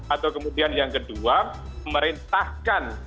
atau kemudian yang kedua memerintahkan